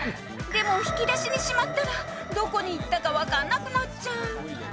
でも引き出しにしまったらどこに行ったかわかんなくなっちゃう